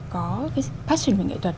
có cái passion về nghệ thuật